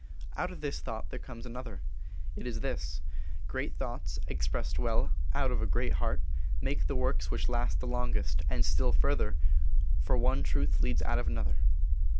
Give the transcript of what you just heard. Out of this thought there comes another. It is this: Great thoughts, expressed well, out of a great heart, make the works which last the longest; and still further, for one truth leads out of another.